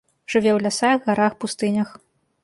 Жыве ў лясах, гарах, пустынях.